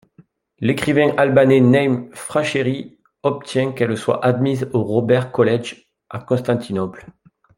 L'écrivain albanais Naim Frashëri obtient qu'elle soit admise au Robert College à Constantinople.